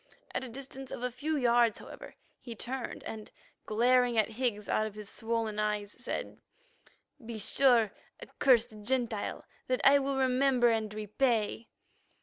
At a distance of a few yards, however, he turned, and, glaring at Higgs out of his swollen eyes, said: "Be sure, accursed Gentile, that I will remember and repay."